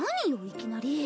いきなり。